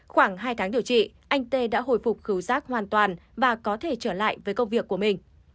khoảng hai tháng điều trị anh t đã hồi phục khẩu sát hoàn toàn và có thể trở lại với công việc của mình